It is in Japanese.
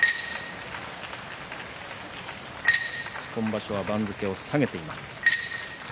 今場所は番付を下げています。